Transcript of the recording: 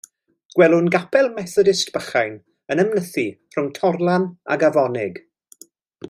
Gwelwn gapel Methodist bychan yn ymnythu rhwng torlan ac afonig.